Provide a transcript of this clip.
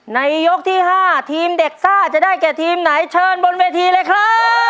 ยกที่๕ทีมเด็กซ่าจะได้แก่ทีมไหนเชิญบนเวทีเลยครับ